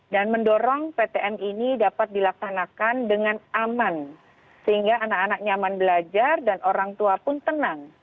dan mendorong ptm ini dapat dilaksanakan dengan aman sehingga anak anak nyaman belajar dan orang tua pun tenang